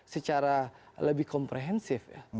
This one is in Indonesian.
secara lebih komprehensif